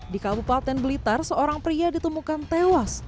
di kabupaten blitar seorang pria ditemukan tewas